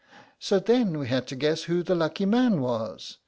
So then we had to guess who the lucky man was.